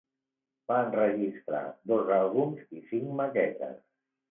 Va enregistrar dos àlbums i cinc maquetes.